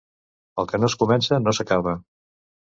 El que no es comença, no s'acaba.